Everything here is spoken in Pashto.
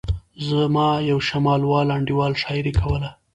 زما یو شمالي وال انډیوال شاعري کوله.